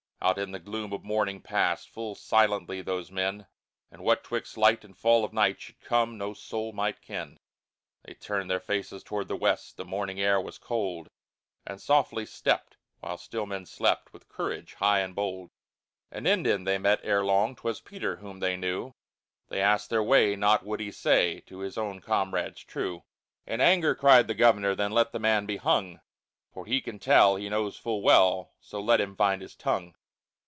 Out to the gloom of morning passed Full silently those men, And what 'twixt light and fall of night Should come, no soul might ken. III They turned their faces toward the west, The morning air was cold, And softly stepped, while still men slept, With courage high and bold. An Indian they met ere long, 'Twas Peter, whom they knew; They asked their way, naught would he say, To his own comrades true. In anger cried the governor: Then let the man be hung, For he can tell, he knows full well, So let him find his tongue.